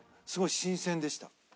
新鮮でした？